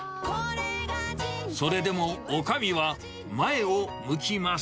それでも、おかみは前を向きます。